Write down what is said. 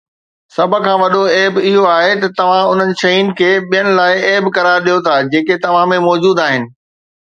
سڀ کان وڏو عيب اهو آهي ته توهان انهن شين کي ٻين لاءِ عيب قرار ڏيو ٿا جيڪي توهان ۾ موجود آهن